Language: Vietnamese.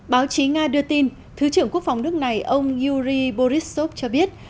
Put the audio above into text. báo chí nga đưa tin thứ trưởng quốc phòng nước này ông yuri borisov cho biết